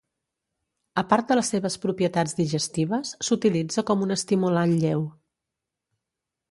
A part de les seves propietats digestives, s'utilitza com un estimulant lleu.